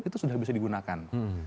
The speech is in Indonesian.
itu sudah bisa digunakan